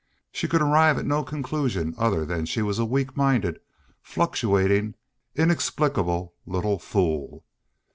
She could arrive at no conclusion other than that she was a weak minded, fluctuating, inexplicable little fool.